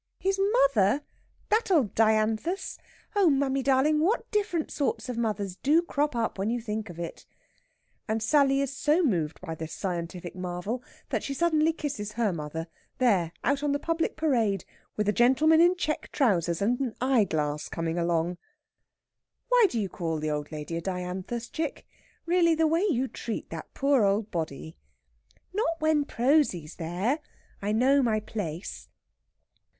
"His mother! That old dianthus! Oh, mammy darling, what different sorts of mothers do crop up when you think of it!" And Sally is so moved by this scientific marvel that she suddenly kisses her mother, there out on the public parade with a gentleman in check trousers and an eye glass coming along! "Why do you call the old lady a dianthus, chick? Really, the way you treat that poor old body!..." "Not when Prosy's there. I know my place....